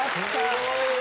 すごいわ。